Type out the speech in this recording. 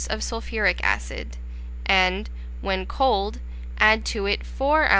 of sulphuric acid, and, when cold, add to it 4 oz.